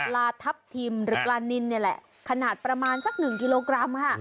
ปลาทัพทิมหรือปลานิ้นคาหนาส์ประมาณสักหนึ่งกิโลกรัม